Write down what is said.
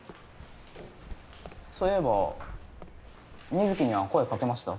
そういえば水城には声かけました？